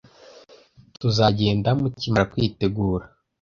Tuzagenda mukimara kwitegura.